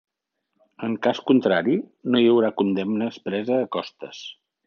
En cas contrari, no hi haurà condemna expressa a costes.